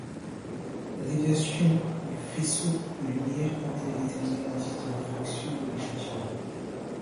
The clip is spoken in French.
La déviation du faisceau de lumière permet de déterminer l'indice de réfraction de l'échantillon.